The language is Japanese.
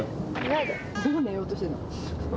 もう寝ようとしてるの？